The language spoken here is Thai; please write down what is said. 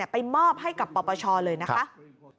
ไปมอบให้กับประประชาชนิดหนึ่งเลยนะครับ